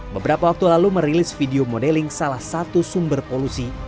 beberapa waktu lalu merilis video modeling salah satu sumber polusi